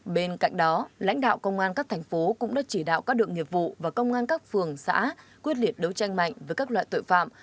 bên cạnh đó lãnh đạo công an các thành phố cũng đã chỉ đạo các đường nghiệp vụ và công an các phường xã quyết liệt đấu tranh mạnh với các loại tội phạm